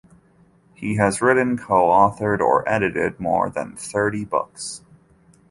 He has written, co-authored, or edited more than thirty books.